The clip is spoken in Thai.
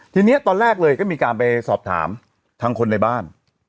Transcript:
ทีนี้ตอนแรกเลยก็มีการไปสอบถามทางคนในบ้าน